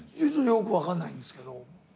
よく分かんないんですけど。